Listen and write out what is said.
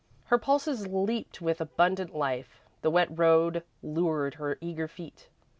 Her pulses leaped with abundant life; the wet road lured her eager feet.